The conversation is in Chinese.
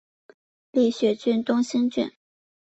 立雪郡东兴郡